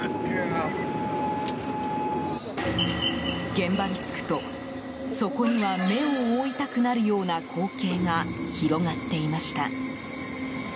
現場に着くとそこには目を覆いたくなるような光景が広がっていました。